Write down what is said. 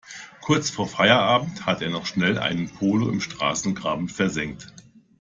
Kurz vor Feierabend hat er noch schnell einen Polo im Straßengraben versenkt.